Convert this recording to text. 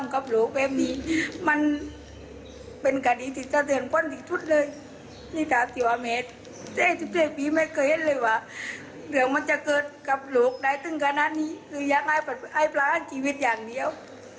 กับหลวงในตึงการณานนี้ยังไงให้ปลาให้กิวิตอย่างเดียว